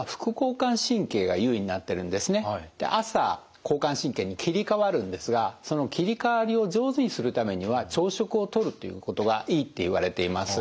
朝交感神経に切り替わるんですがその切り替わりを上手にするためには朝食をとるっていうことがいいっていわれています。